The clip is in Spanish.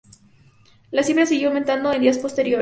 La cifra siguió aumentando en días posteriores.